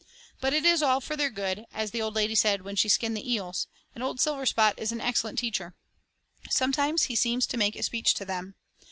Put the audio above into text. But it is all for their good, as the old lady said when she skinned the eels, and old Silverspot is an excellent teacher. Sometimes he seems to make a speech to them.